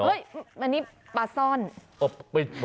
อันนี้ปลาซ่อน